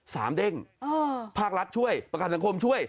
สำเต้งอ้อภาครัฐช่วยประกาศสังคมช่วย